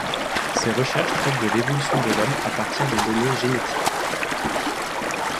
Ses recherches traitent de l’évolution de l’Homme à partir de données génétiques.